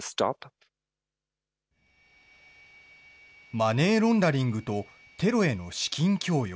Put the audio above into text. マネーロンダリングとテロへの資金供与。